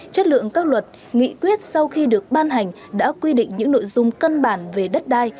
chất lượng các luật nghị quyết sau khi được ban hành đã quy định những nội dung cân bản về đất đai